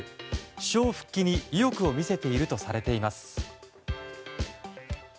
首相復帰に意欲を見せているとされています。